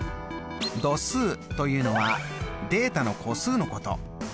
度数というのはデータの個数のこと。